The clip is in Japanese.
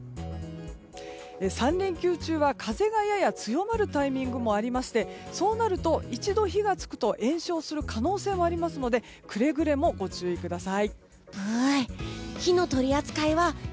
３連休は風がやや強まるタイミングもありましてそうなると一度火が付くと延焼する可能性もありますのでくれぐれもご注意ください。